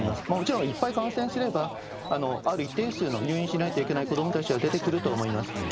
もちろんいっぱい感染すれば、ある一定数の入院しないといけない子どもたちは出てくると思います。